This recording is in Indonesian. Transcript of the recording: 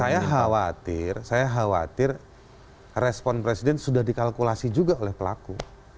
saya khawatir saya khawatir respon presiden sudah dikalkulasi juga oleh pelaku